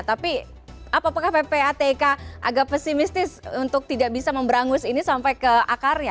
tapi apakah ppatk agak pesimistis untuk tidak bisa memberangus ini sampai ke akarnya